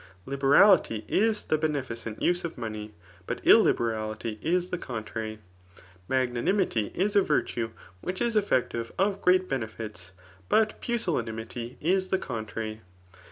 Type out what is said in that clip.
Liberality is the beneficent use of money ; but illiberality is the con trary. Magnanimity is a virtue which is effective of great benefits ; but pusillanimity is the contrary.